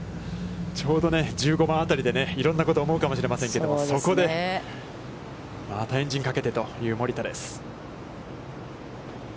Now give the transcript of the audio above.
ちょうど１５番当たりで、いろんなことを思うかもしれませんけど、そこでまたエンジンかけてという森田です。